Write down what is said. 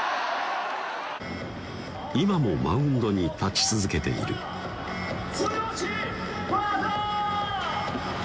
今もマウンドに立ち続けているツヨシ・ワダ！